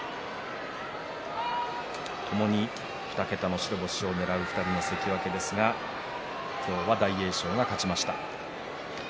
ともに２桁の白星をねらう関脇の対戦、今日は大栄翔が勝ちました。